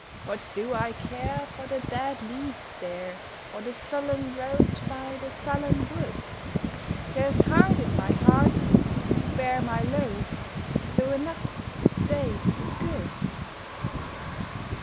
What do I care for the dead leaves there Or the sullen road By the sullen wood. There's heart in my heart To bear my load! So enough, the day is good!